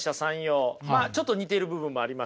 まあちょっと似てる部分もありますけれどもね。